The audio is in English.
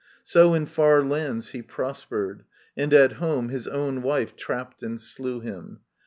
So in far lands he prospered ; and at home His own wife trapped and slew him.